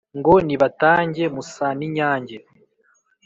Ngo nibatange Musaninyange,